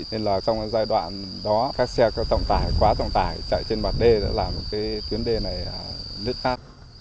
nên là trong giai đoạn đó các xe trọng tải quá trọng tải chạy trên mặt đê đã làm cái tuyến đê này nứt khác